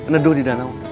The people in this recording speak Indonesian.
nedu di danau